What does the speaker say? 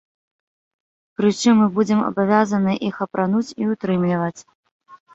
Прычым мы будзем абавязаныя іх апрануць і ўтрымліваць.